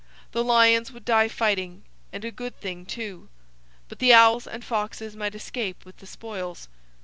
The lions would die fighting and a good thing too! But the owls and foxes might escape with the spoils.